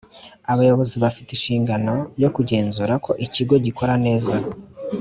Abayobozi bafite inshingano yo kugenzura ko ikigo gikora neza